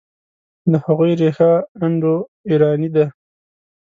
د هغوی ریښه انډوایراني ده.